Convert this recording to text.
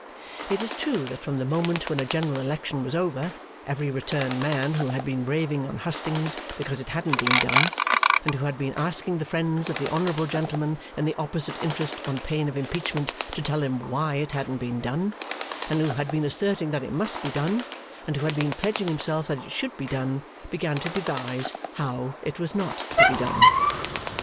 It is true that from the moment when a general election was over, every returned man who had been raving on hustings because it hadn't been done, and who had been asking the friends of the honourable gentleman in the opposite interest on pain of impeachment to tell him why it hadn't been done, and who had been asserting that it must be done, and who had been pledging himself that it should be done, began to devise, How it was not to be done.